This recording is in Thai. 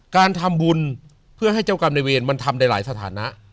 การทำบุญเพื่อให้เจ้ากรรมในเวรมันทำได้หลายสถานะ